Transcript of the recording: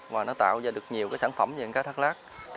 và nó tạo ra được nhiều sản phẩm về con cá thác lát